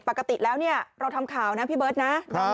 ปกติแล้วเนี่ยเราทำข่าวนะพี่เบิร์ตนะ